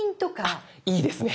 あっいいですね。